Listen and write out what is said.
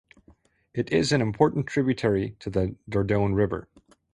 It is an important tributary to the Dordogne River.